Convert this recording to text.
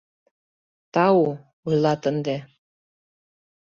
— Тау, — ойлат ынде.